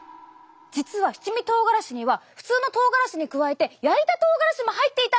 実は七味とうがらしには普通のとうがらしに加えて焼いたとうがらしも入っていたんです！